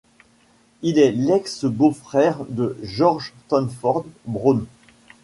Il est l'ex beau frère de Georg Stanford Brown.